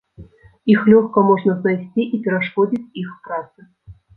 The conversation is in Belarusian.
Іх лёгка можна знайсці і перашкодзіць іх працы.